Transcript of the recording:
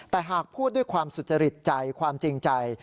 แต่หากพูดด้วยความสุจริตใจความจริงใจ